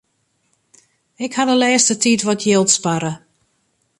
Ik haw de lêste tiid wat jild sparre.